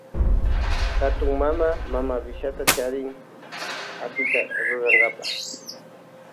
Hatun mama mamawishata charin apita rurankapa.